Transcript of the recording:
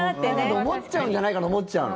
思っちゃうんじゃないかと思っちゃうの。